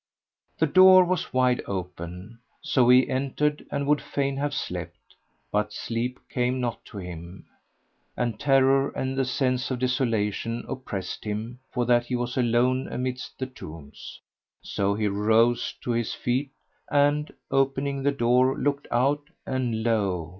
The door was wide open; so he entered and would fain have slept, but sleep came not to him; and terror and a sense of desolation oppressed him, for that he was alone amidst the tombs. So he rose to his feet and, opening the door, looked out and lo!